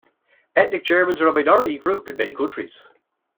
Ethnic Germans are a minority group in many countries.